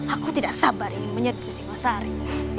aku tidak sabar ingin menyeduh singosari